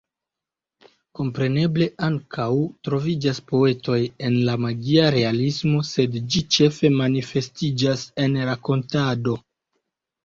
Kompreneble, ankaŭ troviĝas poetoj en la magia realismo, sed ĝi ĉefe manifestiĝas en rakontado.